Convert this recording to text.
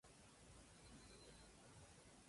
La corteza se muda en delgadas escamas.